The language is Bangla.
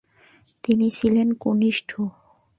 তিনি ছিলেন কনিষ্ঠ ।